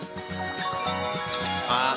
ああ！